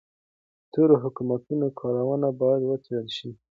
د تېرو حکومتونو کارونه باید وڅیړل شي.